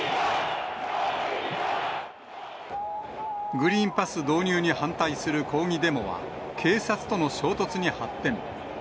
グリーンパス導入に反対する抗議デモは、警察との衝突に発展。